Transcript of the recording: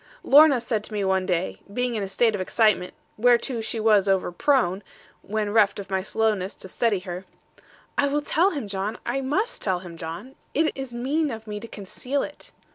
Lorna said to me one day, being in a state of excitement whereto she was over prone, when reft of my slowness to steady her, 'I will tell him, John; I must tell him, John. It is mean of me to conceal it.'